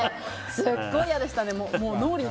すっごい嫌でしたね。